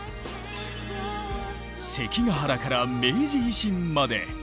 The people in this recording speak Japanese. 関ヶ原から明治維新まで。